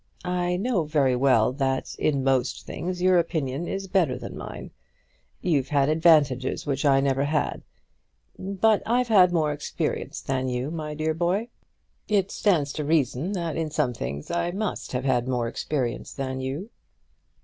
"I know very well that in most things your opinion is better than mine. You've had advantages which I never had. But I've had more experience than you, my dear boy. It stands to reason that in some things I must have had more experience than you."